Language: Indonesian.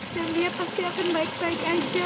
dan dia pasti akan baik baik aja